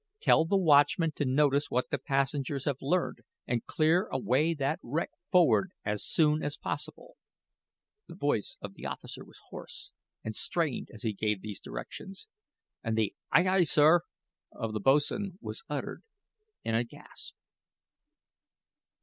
Tell the watchman to notice what the passengers have learned, and clear away that wreck forward as soon as possible." The voice of the officer was hoarse and strained as he gave these directions, and the "aye, aye, sir" of the boatswain was uttered in a gasp.